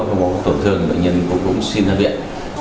không có tổn thương bệnh nhân cũng xin ra viện